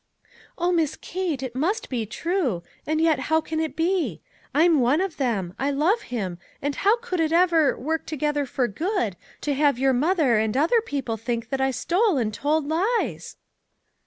" Oh, Miss Kate ! it must be true ; and yet how can it be? I'm one of them; I love him and how could it ever ' work together for good ' to have your mother and other people think that I stole and told lies?